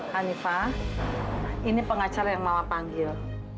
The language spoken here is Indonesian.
hanifah ini pengacara yang mau panggil